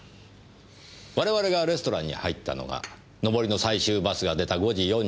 我々がレストランに入ったのが上りの最終バスが出た５時４５分ごろ。